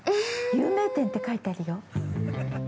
有名店て書いてあるよ。